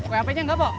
wp nya enggak pok